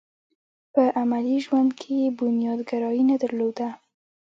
په عملي ژوند کې یې بنياد ګرايي نه درلوده.